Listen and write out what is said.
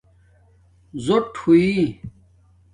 زُٹ ہوئ